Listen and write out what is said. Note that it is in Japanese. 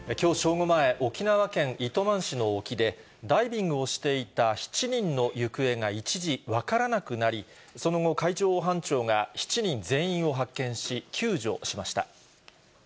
午前、沖縄県糸満市の沖で、ダイビングをしていた７人の行方が一時分からなくなり、その後、海上保安庁が７人全員を発見し、救助しました。